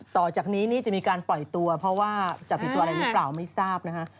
ต่อจากนี้นี่จะมีการปล่อยตัวเพราะว่าจะผิดตัวอะไรหรือเปล่าไม่ทราบนะคะ